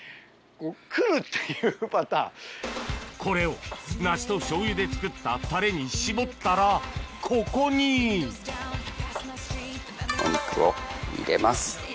これを梨と醤油で作ったタレに搾ったらここにお肉を入れます。